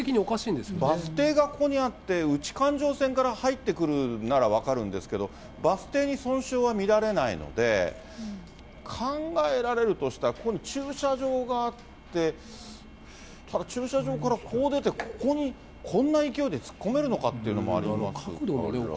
バス停がここにあって、内環状線から入ってくるなら分かるんですけど、バス停に損傷は見られないので、考えられるとしたら、ここに駐車場があって、ただ駐車場からこう出て、ここに、こんな勢いで突っ込めるのかっていうのもありますから。